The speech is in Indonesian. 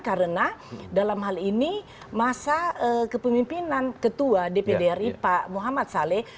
karena dalam hal ini masa kepemimpinan ketua dpdri pak muhammad saleh